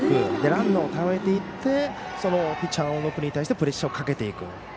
ランナーをためていってピッチャーの小野君に対してプレッシャーをかけていく。